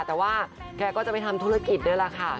แต่ว่าแกก็จะไปทำธุรกิจนี่แหละค่ะ